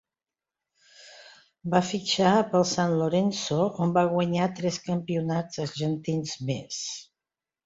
Va fitxar pel San Lorenzo, on ve guanyar tres campionats argentins més.